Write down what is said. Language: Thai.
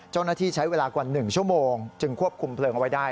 เจ้าหน้าที่ใช้เวลากว่า๑ชั่วโมงจึงควบคุมเพลิงเอาไว้ได้